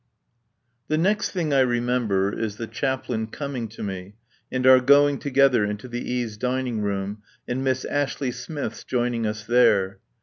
The next thing I remember is the Chaplain coming to me and our going together into the E.s' dining room, and Miss Ashley Smith's joining us there.